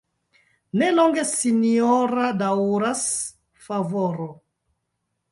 Ne longe sinjora daŭras favoro.